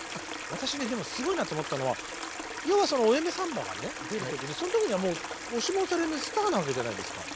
私ねでもすごいなと思ったのは要はその「お嫁サンバ」が出る時にその時にはもう押しも押されぬスターなわけじゃないですか。